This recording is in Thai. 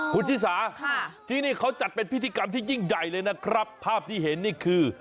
คุณชิสาที่นี่เขาจัดเป็นพิธีกรรมที่ยิ่งใหญ่เลยนะครับภาพที่เห็นนี่คือ